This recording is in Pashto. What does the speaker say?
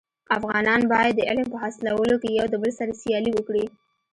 افغانان باید د علم په حاصلولو کي يو دبل سره سیالي وکړي.